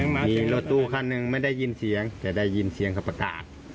มีรถตู้คันหนึ่งไม่ได้ยินเสียงแต่ได้ยินเสียงเขาประกาศ